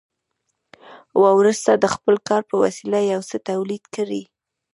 وروسته د خپل کار په وسیله یو څه تولید کړي